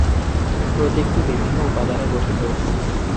প্রতীকটি বিভিন্ন উপাদানে গঠিত।